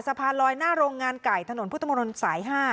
สะพานลอยหน้าโรงงานไก่ถนนพุทธมนตรสาย๕